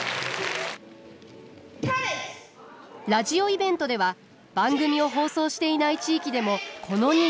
ラジオイベントでは番組を放送していない地域でもこのにぎわい。